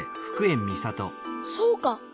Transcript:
そうか！